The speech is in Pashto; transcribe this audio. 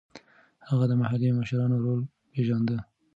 هغه د محلي مشرانو رول پېژانده.